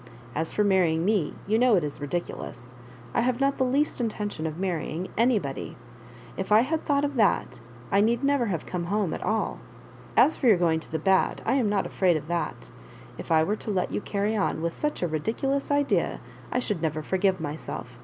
As for marrying me, you know it is ridi culous. I have not the least intention of marry ing anybody. If I had thought of that, I need never have come home at sJl. As for your going to the bad, I am not afraid of that. If I were to let you carry on with such a ridiculous idea, I should never forgive myself.